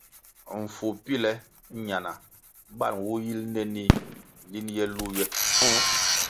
Mfu píle ñana bal nwu yil nénih lin ye lu ywe.